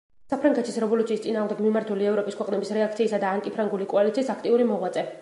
საფრანგეთის რევოლუციის წინააღმდეგ მიმართული ევროპის ქვეყნების რეაქციისა და ანტიფრანგული კოალიციის აქტიური მოღვაწე.